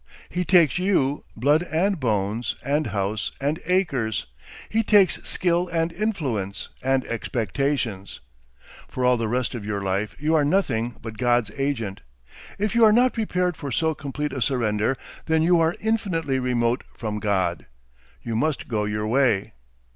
He takes you, blood and bones and house and acres, he takes skill and influence and expectations. For all the rest of your life you are nothing but God's agent. If you are not prepared for so complete a surrender, then you are infinitely remote from God. You must go your way.